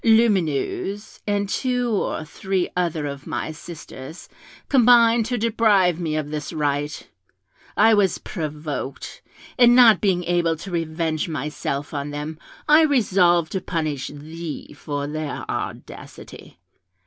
Lumineuse, and two or three other of my sisters, combined to deprive me of this right; I was provoked, and not being able to revenge myself on them, I resolved to punish thee for their audacity.